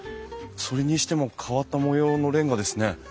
それにしても変わった模様のレンガですね。